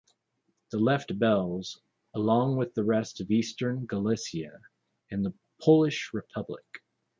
This left Belz, along with the rest of Eastern Galicia in the Polish Republic.